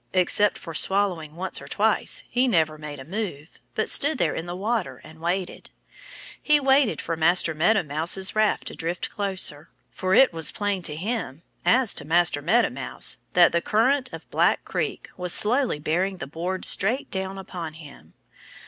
Except for swallowing once or twice, he never made a move, but stood there in the water and waited. He waited for Master Meadow Mouse's raft to drift closer; for it was plain to him as to Master Meadow Mouse that the current of Black Creek was slowly bearing the board straight down upon him.